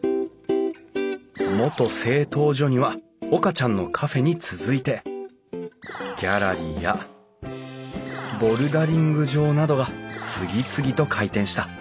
元製陶所には岡ちゃんのカフェに続いてギャラリーやボルダリング場などが次々と開店した。